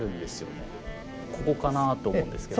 ここかなと思うんですけど。